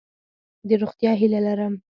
د روغتیا هیله لرم.